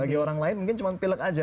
bagi orang lain mungkin cuma pilek aja